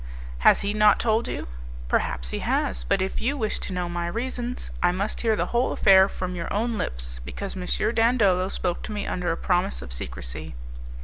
"Has he not told you?" "Perhaps he has; but if you wish to know my reasons, I must hear the whole affair from your own lips, because M. Dandolo spoke to me under a promise of secrecy."